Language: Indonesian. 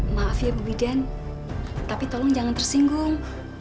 maaf ya bu biden tapi tolong jangan tersinggung